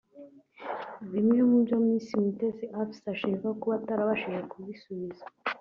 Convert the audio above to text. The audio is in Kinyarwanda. Bimwe mu byo Miss Umutesi Afsa ashinjwa kuba atarabashije kubisubiza